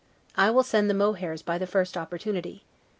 I will send the mohairs by the first opportunity.